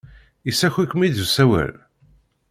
Yessaki-kem-id usawal?